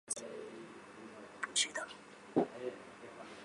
童坊镇是中国福建省龙岩市长汀县下辖的一个镇。